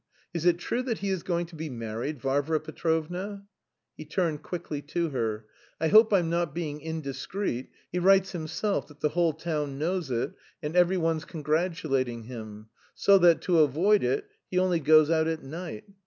Is it true that he is going to be married, Varvara Petrovna?" He turned quickly to her. "I hope I'm not being indiscreet; he writes himself that the whole town knows it and every one's congratulating him, so that, to avoid it he only goes out at night.